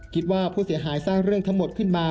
คิดว่าผู้เสียหายสร้างเรื่องทั้งหมดขึ้นมา